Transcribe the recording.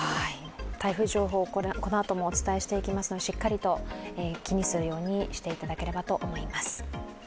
台風情報、このあともお伝えしていきますので、しっかりと気にするようにしていただければと思います。